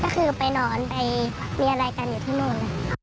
ก็คือไปนอนไปมีอะไรกันอยู่ที่นู่น